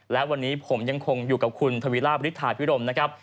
และวันนี้ผมยังคงอยู่กับคุณทวีราบริษฐาพิรมนะครับ